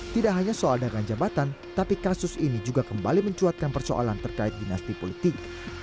tidak hanya soal dagang jabatan tapi kasus ini juga kembali mencuatkan persoalan terkait dinasti politik